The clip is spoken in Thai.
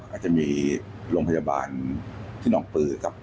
อาจจะมีโรงพยาบาลที่น้องปือครับ